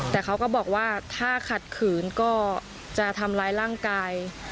แต่เขาก็บอกว่าถ้าขัดขืนก็จะทำร้ายร่างกาย